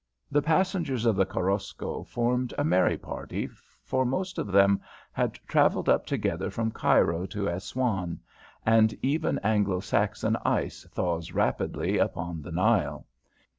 The passengers of the Korosko formed a merry party, for most of them had travelled up together from Cairo to Assouan, and even Anglo Saxon ice thaws rapidly upon the Nile.